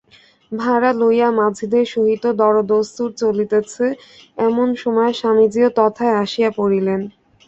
ভাড়া লইয়া মাঝিদের সহিত দরদস্তুর চলিতেছে, এমন সময় স্বামীজীও তথায় আসিয়া পড়িলেন।